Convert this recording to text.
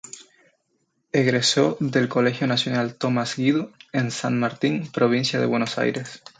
Egresó del colegio Nacional Tomás Guido, en San Martín, Provincia de Buenos Aires.